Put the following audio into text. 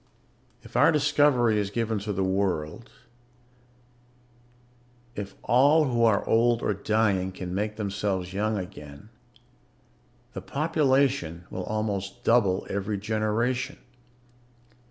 "If our discovery is given to the world, if all who are old or dying can make themselves young again, the population will almost double every generation.